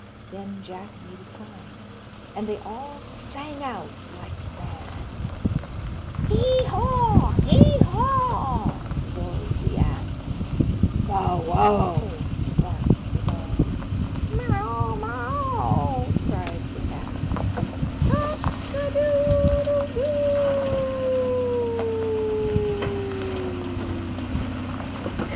Then Jack made a sign, and they all sang out like mad. "Hee haw, hee haw!" roared the ass; "bow wow!" barked the dog; "meaw meaw!" cried the cat; "cock a doodle doo!"